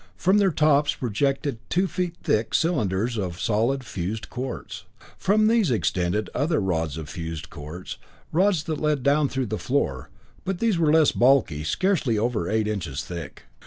From their tops projected two feet thick cylinders of solid fused quartz. From these extended other rods of fused quartz, rods that led down through the floor; but these were less bulky, scarcely over eight inches thick.